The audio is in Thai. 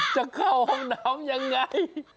จะเข้าห้องน้ำยังไง